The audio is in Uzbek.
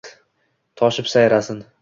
Toshib sayrasin